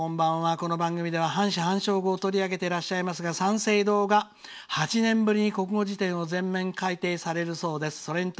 この番組では、半死半生語を取り上げていらっしゃいますが三省堂が８年ぶりに国語辞典を全面改訂されるそうです。